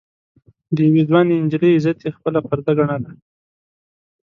د يوې ځوانې نجلۍ عزت يې خپله پرده ګڼله.